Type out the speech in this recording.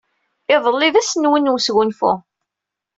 Iḍelli d ass-nsen n wesgunfu.